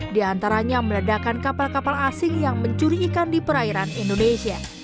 di antaranya meledakan kapal kapal asing yang mencuri ikan di perairan indonesia